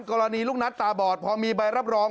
กรณีลูกนัดตาบอดพอมีใบรับรอง